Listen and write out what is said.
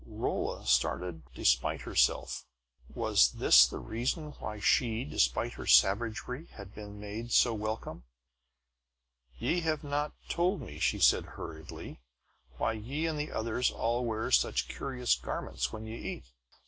Rolla started despite herself. Was this the reason why she, despite her savagery, had been made so welcome? "Ye have not told me," said she hurriedly, "why ye and the others all wear such curious garments when ye eat."